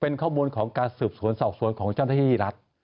เป็นข้อมูลของการสืบสวนสอบสวนของเจ้าหน้าที่รัฐ